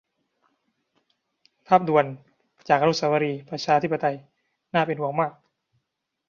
ภาพด่วนจาก อนุเสาวรีย์ประชาธิปไตย น่าเป็นห่วงมาก